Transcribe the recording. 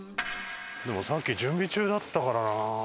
でもさっき準備中だったからな。